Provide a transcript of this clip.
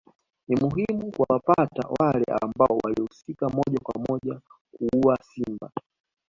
Ni muhimu kuwapata wale ambao walihusika moja kwa moja kuua Simba